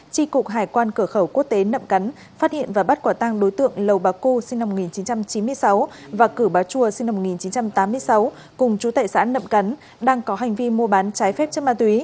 tri cục hải quan cửa khẩu quốc tế nậm cắn phát hiện và bắt quả tăng đối tượng lầu bà cu sinh năm một nghìn chín trăm chín mươi sáu và cử bà chua sinh năm một nghìn chín trăm tám mươi sáu cùng chú tệ xã nậm cắn đang có hành vi mua bán trái phép chất ma túy